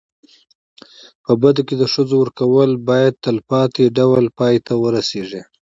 په بدو کي د ښځو ورکول باید تلپاتي ډول پای ته ورسېږي.